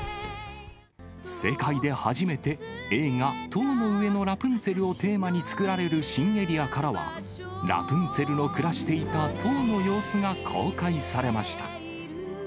世界で初めて映画、塔の上のラプンツェルをテーマに作られる新エリアからは、ラプンツェルの暮らしていた塔の様子が公開されました。